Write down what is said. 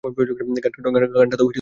গানটা তো বেশ তালের ছিল।